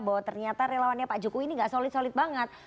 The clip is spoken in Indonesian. bahwa ternyata relawannya pak jokowi ini gak solid solid banget